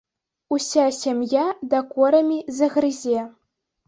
Уся сям'я дакорамі загрызе.